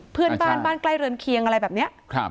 เพื่อนบ้านบ้านใกล้เรือนเคียงอะไรแบบนี้